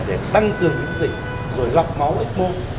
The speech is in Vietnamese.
để tăng cường những dịch rồi lọc máu ít môn